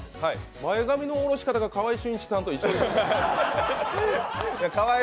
前髪のおろし方が川合俊一さんと一緒じゃない。